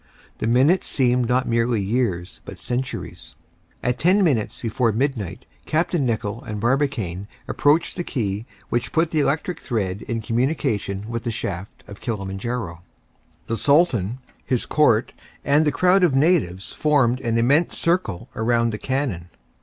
The minutes seemed not merely years but centuries. At ten minutes before midnight Capt. Nicholl and Barbicane approached the key which put the electric thread in communication with the shaft of Kilimanjaro. The Sultan, his court and the crowd of natives formed an immense circle around the cannon.